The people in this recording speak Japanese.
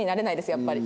やっぱり。